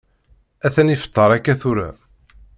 Atan ifeṭṭer akka tura.